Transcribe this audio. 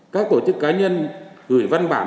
các tổ chức cá nhân gửi văn bản